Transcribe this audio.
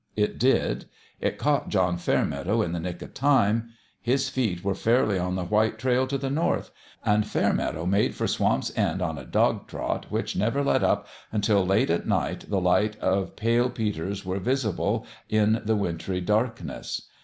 It did : it caught John Fairmeadow in the nick of time his feet were fairly on the white trail to the north and Fairmeadow made for Swamp's End on a dog trot which never let up until late at night the lights of Pale Peter's were visible in the wintry darkness.